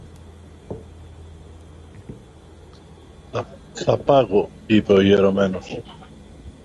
"Θα πάγω", είπε ο ιερωμένος.